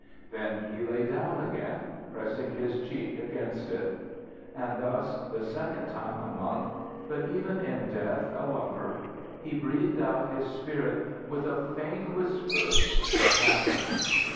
Then he lay down again, pressing his cheek against it; and thus the second time a monk, but even in death a lover, he breathed out his spirit with a faint whisper "Madeline!"